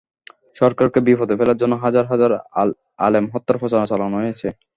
সরকারকে বিপদে ফেলার জন্য হাজার হাজার আলেম হত্যার প্রচারণা চালানো হয়েছে।